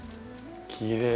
きれい。